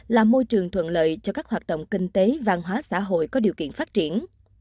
là môi trường thuận lợi cho các hoạt động kinh tế văn hóa xã hội có điều kiện phát triển